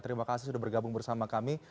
terima kasih sudah bergabung bersama kami